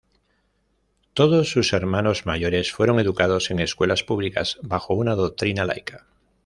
Todos sus hermanos mayores fueron educados en escuelas públicas, bajo una doctrina laica.